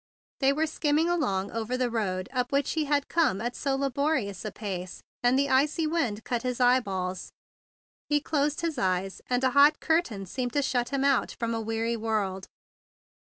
They were skimming along over the road up which he had come at so labo¬ rious a pace, and the icy wind cut his eyeballs. He closed his eyes, and a hot curtain seemed to shut him out from a weary world.